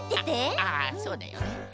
ああそうだよね。